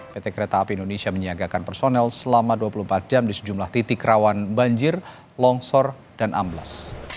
pt kereta api indonesia menyiagakan personel selama dua puluh empat jam di sejumlah titik rawan banjir longsor dan amblas